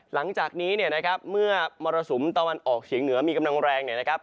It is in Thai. หลังจากนี้เนี่ยนะครับเมื่อมรสุมตะวันออกเฉียงเหนือมีกำลังแรงเนี่ยนะครับ